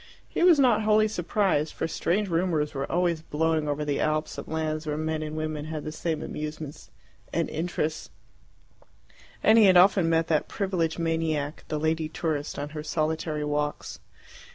He was not wholly surprised, for strange rumours were always blowing over the Alps of lands where men and women had the same amusements and interests, and he had often met that privileged maniac, the lady tourist, on her solitary walks.